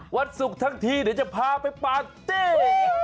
วันศุกร์ทั้งทีเดี๋ยวจะพาไปปาร์ตี้